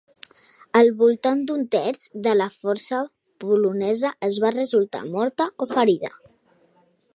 Al voltant d'un terç de la força polonesa va resultar morta o ferida.